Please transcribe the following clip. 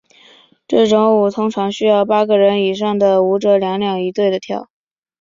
这种舞通常需要八个人以上的舞者两两一对地跳。